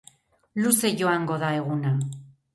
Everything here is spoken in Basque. Luze joango da eguna.